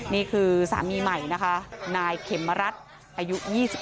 นี่คือสามีใหม่นะคะนายเขมรัฐอายุ๒๓